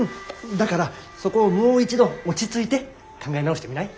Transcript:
だからそこをもう一度落ち着いて考え直してみない？